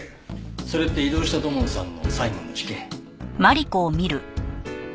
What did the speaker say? それって異動した土門さんの最後の事件。